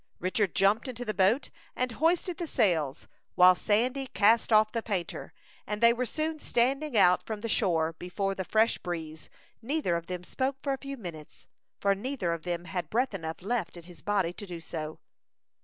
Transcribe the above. Richard jumped into the boat and hoisted the sails, while Sandy cast off the painter, and they were soon standing out from the shore before the fresh breeze. Neither of them spoke for some minutes, for neither of them had breath enough left in his body to do so.